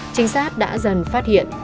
chính xác đã dần phát hiện